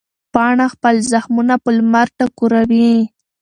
پاڼه خپل زخمونه په لمر ټکوروي.